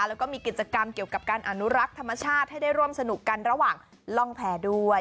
แล้วก็มีกิจกรรมเกี่ยวกับการอนุรักษ์ธรรมชาติให้ได้ร่วมสนุกกันระหว่างล่องแพรด้วย